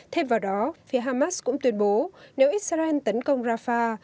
thêm vào đó phía hamas cũng tuyên bố nếu israel tấn công rafah